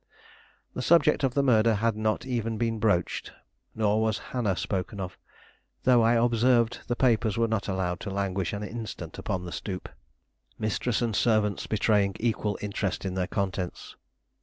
The subject of the murder had not even been broached; nor was Hannah spoken of, though I observed the papers were not allowed to languish an instant upon the stoop; mistress and servants betraying equal interest in their contents.